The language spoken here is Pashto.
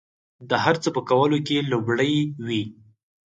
د هر څه په کولو کې لومړي وي.